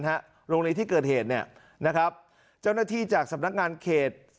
โรงเรียนที่เกิดเหตุเนี่ยนะครับเจ้าหน้าที่จากสำนักงานเขต